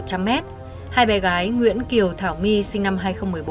hai bé gái nguyễn kiều thảo my sinh năm hai nghìn một mươi bốn